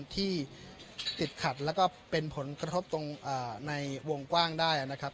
ที่ติดขัดแล้วก็เป็นผลกระทบตรงในวงกว้างได้นะครับ